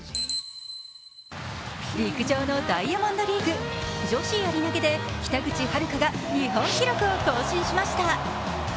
陸上のダイヤモンドリーグ。女子やり投げで北口榛花が日本記録を更新しました。